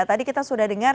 tadi kita sudah dengar